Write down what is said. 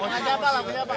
menu nya apa pak